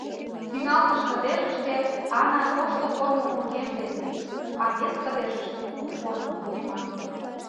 Тӱҥалтыш кыдежыште Ана тошто формо вургем дене, а вес кыдежыште у формо вургеман.